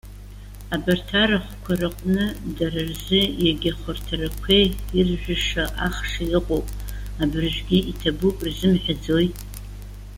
Абарҭ арахәқәа рыҟны дара рзы иагьа хәарҭарақәеи иржәыша ахши ыҟоуп. Абыржәгьы иҭабуп рзымҳәаӡои?